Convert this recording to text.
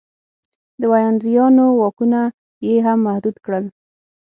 د ویاندویانو واکونه یې هم محدود کړل.